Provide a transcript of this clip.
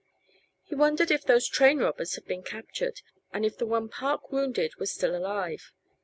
He wondered if those train robbers had been captured, and if the one Park wounded was still alive.